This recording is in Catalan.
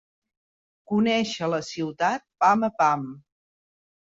Conèixer la ciutat pam a pam.